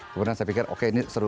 kemudian saya pikir oke ini seru